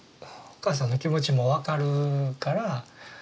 お母さんの気持ちも分かるから。